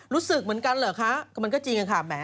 รู้สึกเหมือนกันเหรอคะก็มันก็จริงค่ะ